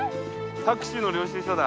タクシーの領収書だ！